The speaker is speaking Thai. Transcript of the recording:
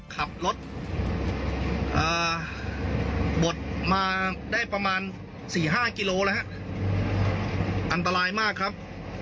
ไฟล่าเท่าไรอีกครับ